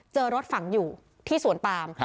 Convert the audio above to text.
เจอรถฝังอยู่ที่สวนปาม